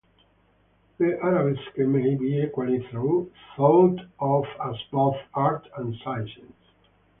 The arabesque may be equally thought of as both art and science.